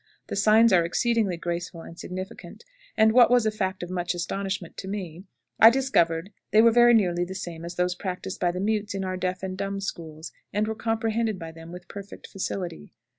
The signs are exceedingly graceful and significant; and, what was a fact of much astonishment to me, I discovered they were very nearly the same as those practiced by the mutes in our deaf and dumb schools, and were comprehended by them with perfect facility.